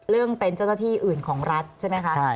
เรื่องเป็นเจ้าหน้าที่อื่นของรัฐใช่ไหมคะ